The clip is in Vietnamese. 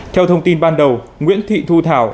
theo thông tin ban đầu nguyễn thị thu thảo